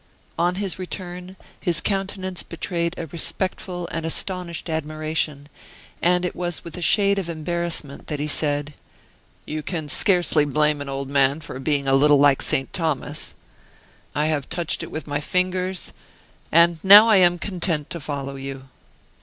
On his return, his countenance betrayed a respectful and astonished admiration, and it was with a shade of embarrassment that he said: "You can scarcely blame an old man for being a little like St. Thomas. 'I have touched it with my fingers,' and now I am content to follow you."